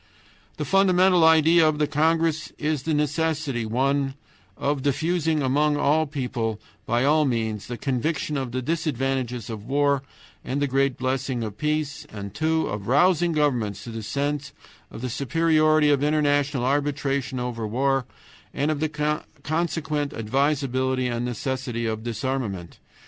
The fundamental idea of the congress is the necessity (1) of diffusing among all people by all means the conviction of the disadvantages of war and the great blessing of peace, and (2) of rousing governments to the sense of the superiority of international arbitration over war and of the consequent advisability and necessity of disarmament.